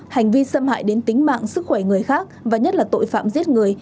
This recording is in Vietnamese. hành vi xâm hại đến tính mạng sức khỏe người khác và nhất là tội phạm giết người